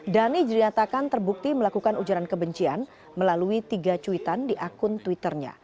dhani dinyatakan terbukti melakukan ujaran kebencian melalui tiga cuitan di akun twitternya